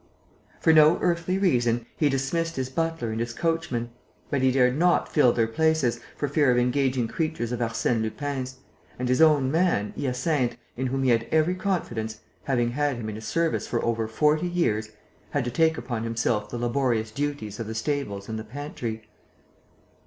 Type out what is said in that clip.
For no earthly reason, he dismissed his butler and his coachman. But he dared not fill their places, for fear of engaging creatures of Arsène Lupin's; and his own man, Hyacinthe, in whom he had every confidence, having had him in his service for over forty years, had to take upon himself the laborious duties of the stables and the pantry.